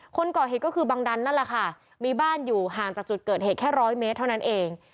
คนก่อเหตุก็คือบังดันนั่นแหละค่ะมีบ้านอยู่ห่างจากจุดเกิดเหตุแค่ร้อยเมตรเท่านั้นเอง